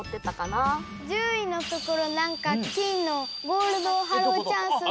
１０いのところなんかきんのゴールドオハローチャンスが。